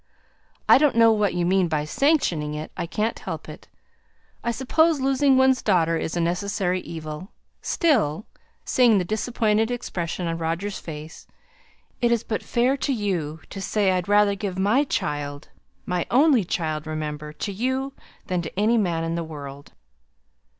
"I don't know what you mean by sanctioning it. I can't help it. I suppose losing one's daughter is a necessary evil. Still" seeing the disappointed expression on Roger's face "it is but fair to you to say, I'd rather give my child, my only child, remember! to you, than to any man in the world!"